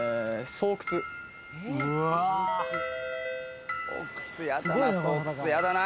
巣窟やだな。